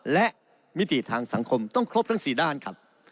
และมิติทางสังคมต้องครบทั้ง๔ด้านครับ